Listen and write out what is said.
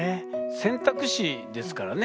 選択肢ですからね